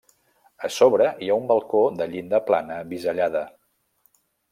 A sobre hi ha un balcó de llinda plana bisellada.